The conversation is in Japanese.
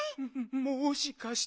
もしかして。